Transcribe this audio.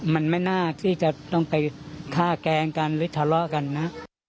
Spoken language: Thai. มันไม่น่าที่จะต้องไปฆ่าแกล้งกันหรือทะเลาะกันนะ